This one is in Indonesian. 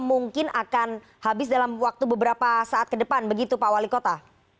mungkin akan habis dalam waktu beberapa saat ke depan begitu pak wali kota